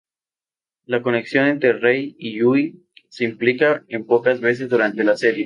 La conexión entre Rei y Yui se implica unas pocas veces durante la serie.